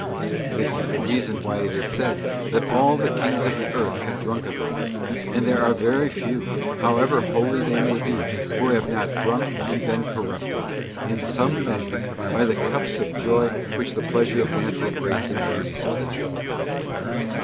This is the reason why it is said that all the kings of the earth have drunk of it; for there are very few, however holy they may be, who have not drunk and been corrupted, in . some measure, by the cups of joy which the pleasure of natural grace and beauty supply.